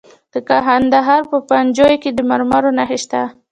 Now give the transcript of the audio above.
د کندهار په پنجوايي کې د مرمرو نښې شته.